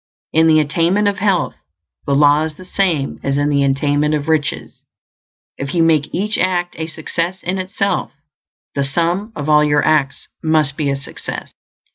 In the attainment of health, the law is the same as in the attainment of riches; if you make each act a success in itself, the sum of all your acts must be a success.